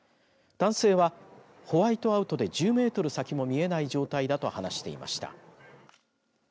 男性は、ホワイトアウトで１０メートル先も見えない状態だと話していました。